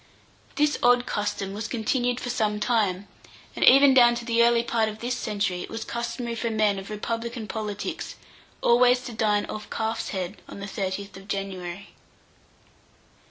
This odd custom was continued for some time, and even down to the early part of this century it was customary for men of republican politics always to dine off calf's head on the 30th of January.